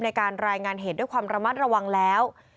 ในการรายงานเหตุด้วยความระมัดระวังแล้ว